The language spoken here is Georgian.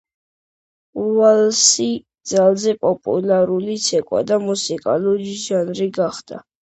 ვალსი ძალზე პოპულარული ცეკვა და მუსიკალური ჟანრი გახდა.